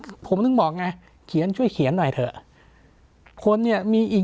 คือผมถึงบอกไงเขียนช่วยเขียนหน่อยเถอะคนเนี้ยมีอีก